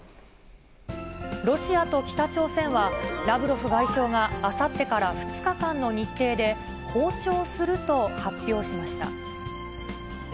ロシアと北朝鮮は、ラブロフ外相があさってから２日間の日程で、訪朝すると発表しました。